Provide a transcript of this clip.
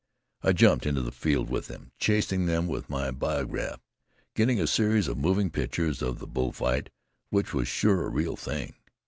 "I jumped into the field with them, chasing them with my biograph, getting a series of moving pictures of that bullfight which was sure the real thing.